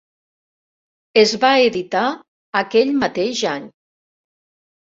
Es va editar aquell mateix any.